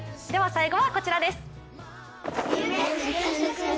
最後はこちらです。